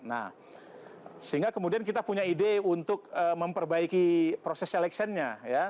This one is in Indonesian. nah sehingga kemudian kita punya ide untuk memperbaiki proses seleksiannya ya